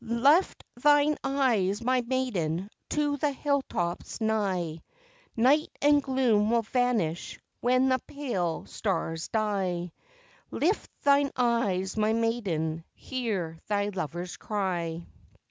Lift thine eyes, my maiden, to the hill tops nigh, Night and gloom will vanish when the pale stars die. Lift thine eyes, my maiden, hear thy lover's cry.